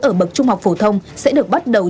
ở bậc trung học phổ thông sẽ được bắt đầu